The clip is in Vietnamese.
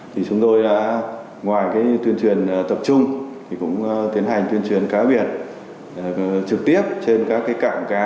chúng tôi ngoài tuyên truyền tập trung cũng tiến hành tuyên truyền cá biển trực tiếp trên các cạng cá